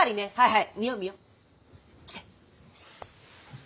はい！